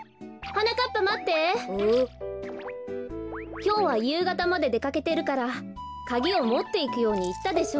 きょうはゆうがたまででかけてるからカギをもっていくようにいったでしょう。